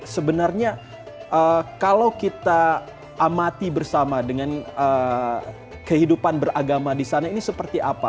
sebenarnya kalau kita amati bersama dengan kehidupan beragama di sana ini seperti apa